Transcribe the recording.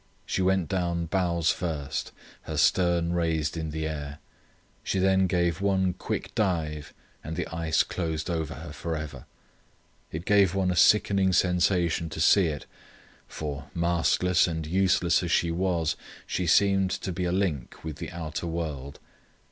She went down bows first, her stern raised in the air. She then gave one quick dive and the ice closed over her for ever. It gave one a sickening sensation to see it, for, mastless and useless as she was, she seemed to be a link with the outer world.